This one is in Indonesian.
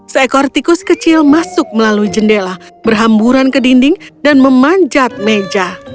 seekor tikus kecil masuk melalui jendela berhamburan ke dinding dan memanjat meja